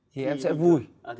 thì em sẽ vui